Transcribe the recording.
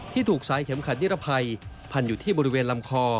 ถูกสายเข็มขัดนิรภัยพันอยู่ที่บริเวณลำคอ